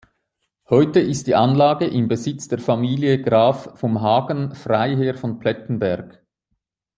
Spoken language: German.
Heute ist die Anlage im Besitz der Familie Graf vom Hagen-Freiherr von Plettenberg.